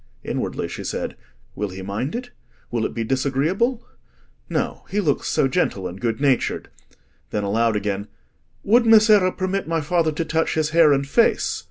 Inwardly she said, "Will he mind it? will it be disagreeable? No, he looks so gentle and good natured." Then aloud again— "Would Messere permit my father to touch his hair and face?"